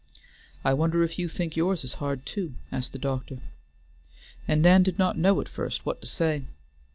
"I wonder if you think yours is hard too?" asked the doctor. And Nan did not know at first what to say.